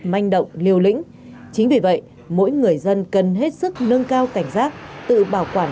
manh động liều lĩnh chính vì vậy mỗi người dân cần hết sức nâng cao cảnh giác tự bảo quản